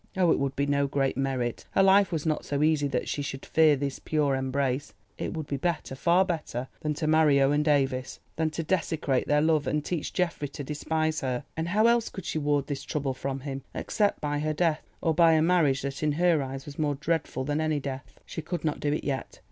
Oh, it would be no great merit. Her life was not so easy that she should fear this pure embrace. It would be better, far better, than to marry Owen Davies, than to desecrate their love and teach Geoffrey to despise her. And how else could she ward this trouble from him except by her death, or by a marriage that in her eyes was more dreadful than any death? She could not do it yet.